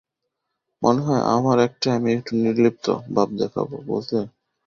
মনে হয় আমার অ্যাক্টে আমি একটু নির্লিপ্ত ভাব দেখাবো, বুঝলে?